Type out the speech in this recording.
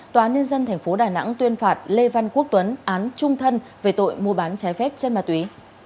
tòa án nhân dân tp đà nẵng tuyên phạt lê văn quốc tuấn án trung thân về tội mua bán trái phép chất ma túy